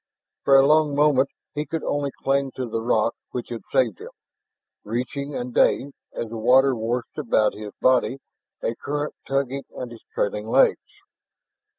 For a long moment he could only cling to the rock which had saved him, retching and dazed, as the water washed about his body, a current tugging at his trailing legs.